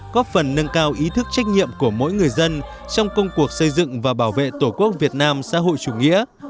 có phần nâng cao ý thức trách nhiệm của mỗi người dân trong công cuộc xây dựng và bảo vệ tổ quốc việt nam xã hội chủ nghĩa